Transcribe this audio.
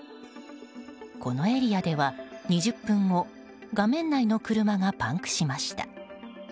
このエリアでは２０分後画面内の車がパンクしました。